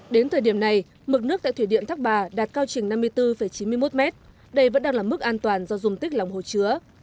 đến thời điểm này mực nước tại thủy điện thác bà đạt cao trình năm mươi bốn chín mươi một mét đây vẫn đang là mức an toàn do dùng tích lòng hồ chứa